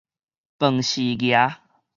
飯匙鵝